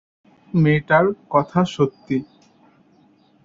মেয়েটার কথা সত্যি।